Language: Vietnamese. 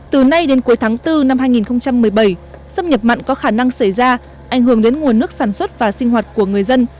từ nay đến cuối tháng bốn năm hai nghìn một mươi bảy xâm nhập mặn có khả năng xảy ra ảnh hưởng đến nguồn nước sản xuất và sinh hoạt của người dân